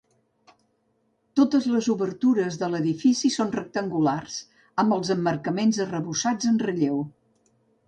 Totes les obertures de l'edifici són rectangulars, amb els emmarcaments arrebossats en relleu.